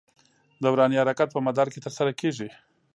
دوراني حرکت په مدار کې تر سره کېږي.